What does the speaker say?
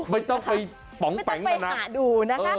ไม่ต้องไปหาดูนะคะ